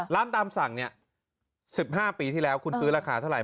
ตามสั่งเนี่ย๑๕ปีที่แล้วคุณซื้อราคาเท่าไห